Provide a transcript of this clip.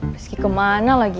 rizky kemana lagi